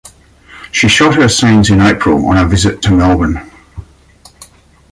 She shot her scenes in April on a visit to Melbourne.